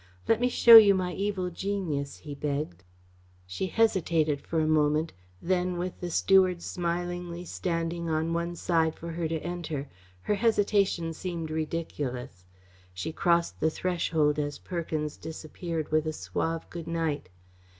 "Let me show you my evil genius," he begged. She hesitated for a moment. Then, with the steward smilingly standing on one side for her to enter, her hesitation seemed ridiculous. She crossed the threshold as Perkins disappeared with a suave good night.